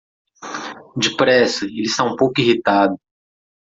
Depressa, ele está um pouco irritado.